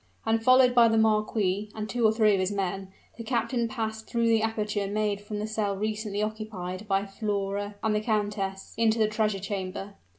And followed by the marquis and two or three of his men, the captain passed through the aperture made from the cell recently occupied by Flora and the countess, into the treasure chamber.